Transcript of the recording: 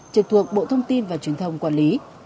trực thuộc bộ thông tin và truyền thông quản lý